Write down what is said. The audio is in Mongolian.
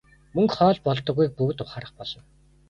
Мөнгө хоол болдоггүйг бүгд ухаарах болно.